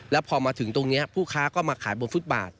แล้วพอมาถึงตรงนี้ผู้ค้าก็มาขายบนฟุตบาท